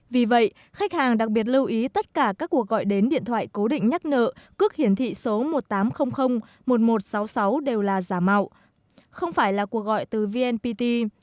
vì vậy khách hàng đặc biệt lưu ý tất cả các cuộc gọi đến điện thoại cố định nhắc nợ cước hiển thị số một tám không không một một sáu sáu đều là giả mạo không phải là cuộc gọi từ vnpt